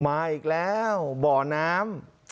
มาอีกแล้วบ่อน้ำ